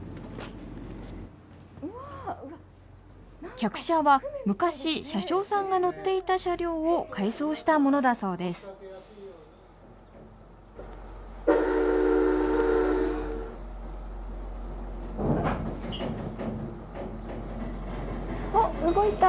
客車は昔車掌さんが乗っていた車両を改装したものだそうですおっ動いた。